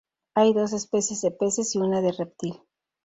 Hay dos especies de peces y una de reptil.